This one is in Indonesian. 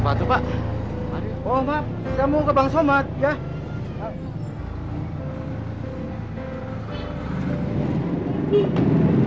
pak somad saya mau ngusul sepatu